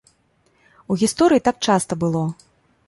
У гісторыі так часта было.